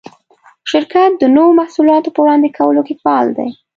شرکت د نوو محصولاتو په وړاندې کولو کې فعال دی.